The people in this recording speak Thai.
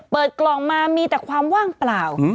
เปิดกล่องมามีแต่ความว่างเปล่า